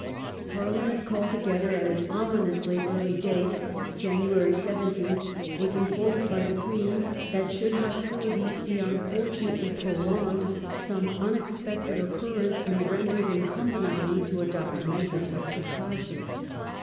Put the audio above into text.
Parliament, called together at an ominously early date (Jan. 17th), was informed by the Queen that " should hostilities be unfortunately prolonged, some unexpected occurrence may render it incumbent on me to adopt measures of precaution".